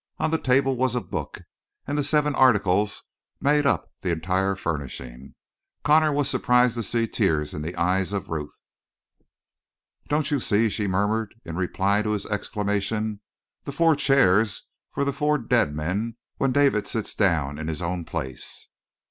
On the table was a book, and the seven articles made up the entire furnishings. Connor was surprised to see tears in the eyes of Ruth. "Don't you see?" she murmured in reply to his exclamation. "The four chairs for the four dead men when David sits down in his own place?"